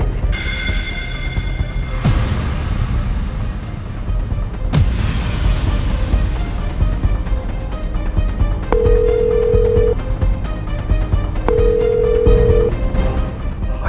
kalau tidak kamu ya